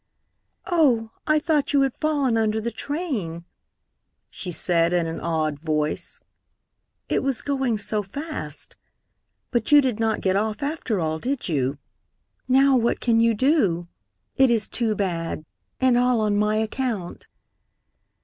"Oh, I thought you had fallen under the train!" she said in an awed voice. "It was going so fast! But you did not get off, after all, did you? Now, what can you do? It is too bad, and all on my account."